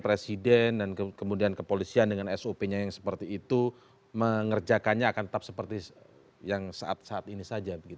presiden dan kemudian kepolisian dengan sop nya yang seperti itu mengerjakannya akan tetap seperti yang saat saat ini saja